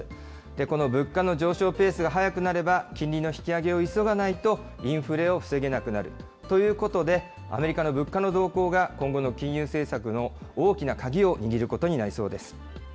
この物価の上昇ペースが速くなれば、金利の引き上げを急がないとインフレを防げなくなるということで、アメリカの物価の動向が、今後の金融政策の大きな鍵を握ることになりそうです。